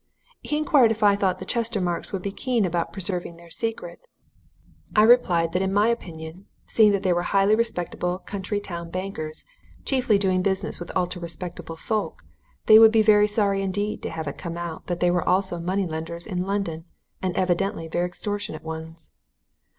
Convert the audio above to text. He inquired if I thought the Chestermarkes would be keen about preserving their secret. I replied that in my opinion, seeing that they were highly respectable country town bankers, chiefly doing business with ultra respectable folk, they would be very sorry indeed to have it come out that they were also money lenders in London, and evidently very extortionate ones.